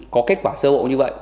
có kết quả sơ bộ như vậy